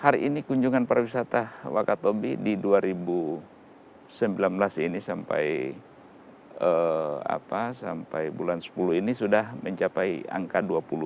hari ini kunjungan para wisata wakatobi di dua ribu sembilan belas ini sampai bulan sepuluh ini sudah mencapai angka dua puluh